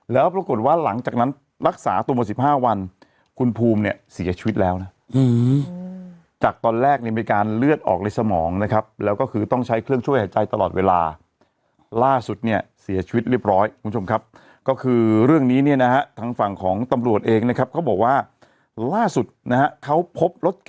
แล้วปรากฏว่าหลังจากนั้นรักษาตัวมา๑๕วันคุณภูมิเนี่ยเสียชีวิตแล้วนะจากตอนแรกเนี่ยมีการเลือดออกในสมองนะครับแล้วก็คือต้องใช้เครื่องช่วยหายใจตลอดเวลาล่าสุดเนี่ยเสียชีวิตเรียบร้อยคุณผู้ชมครับก็คือเรื่องนี้เนี่ยนะฮะทางฝั่งของตำรวจเองนะครับเขาบอกว่าล่าสุดนะฮะเขาพบรถเก